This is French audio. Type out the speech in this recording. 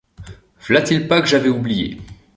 Voilà-t-il pas que j'avais oublié